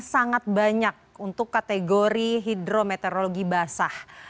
sangat banyak untuk kategori hidrometeorologi basah